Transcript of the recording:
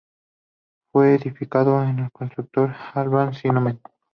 Fue edificado por el constructor Harald Simonsen.